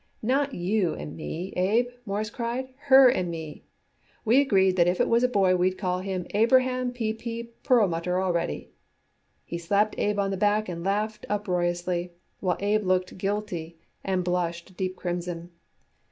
"Not you and me, Abe," Morris cried. "Her and me. We agreed that if it was a boy we'd call him Abraham P. Perlmutter already." He slapped Abe on the back and laughed uproariously, while Abe looked guilty and blushed a deep crimson.